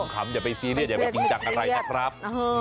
ขำอย่าไปซีเรียสอย่าไปกินจากอะไรนะครับ